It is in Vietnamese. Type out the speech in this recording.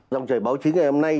dòng chảy báo chí ngày hôm nay